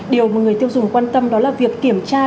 điều mà người tiêu dùng quan tâm đó là việc kiểm tra